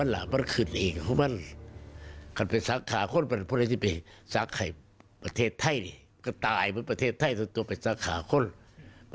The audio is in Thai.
ลายศักดิ์ที่ธรรมสายไม่พิสสอง